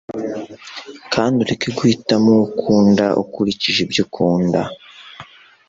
kandi ureke guhitamo uwo ukunda ukurikije ibyo ukunda